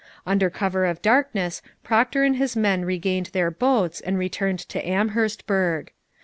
Under cover of darkness Procter and his men regained their boats and returned to Amherstburg.